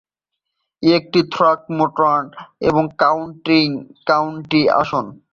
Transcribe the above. এটি থ্রকমোরটন কাউন্টির কাউন্টি আসন।